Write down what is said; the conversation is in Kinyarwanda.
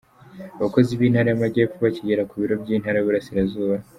Abakozi b’Intara y’Amajyepfo bakigera ku biro by’Intara y’Iburasirazuba.